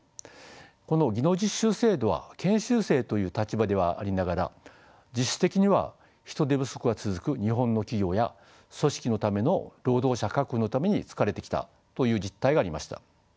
この技能実習制度は研修生という立場ではありながら実質的には人手不足が続く日本の企業や組織のための労働者確保のために使われてきたという実態がありました。